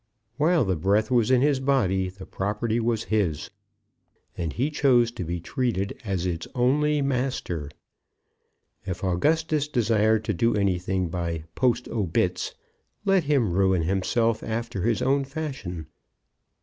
While the breath was in his body the property was his, and he chose to be treated as its only master. If Augustus desired to do anything by "post obits," let him ruin himself after his own fashion.